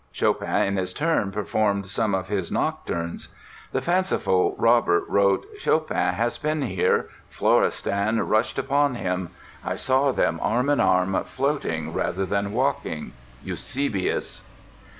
Chopin in his turn performed some of his Nocturnes. The fanciful Robert wrote: "Chopin has been here. Florestan rushed upon him. I saw them arm in arm, floating rather than walking—Eusebius"!